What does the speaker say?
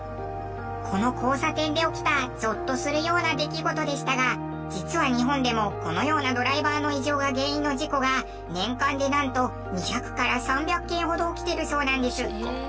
この交差点で起きたゾッとするような出来事でしたが実は日本でもこのようなドライバーの異常が原因の事故が年間でなんと２００から３００件ほど起きているそうなんです。